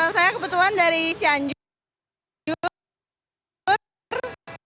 saya kebetulan dari cianjur